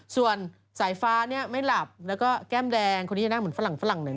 ส่วนสายฟ้าเนี่ยไม่หลับแล้วก็แก้มแดงคนนี้จะนั่งเหมือนฝรั่งฝรั่งหนึ่ง